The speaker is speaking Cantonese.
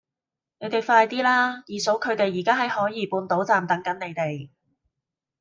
你哋快啲啦!二嫂佢哋而家喺海怡半島站等緊你哋